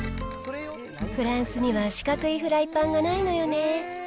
フランスには四角いフライパンがないのよね。